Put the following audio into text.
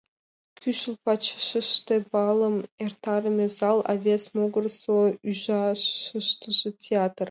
Кӱшыл пачашыште балым эртарыме зал, а вес могырысо ужашыштыже — театр.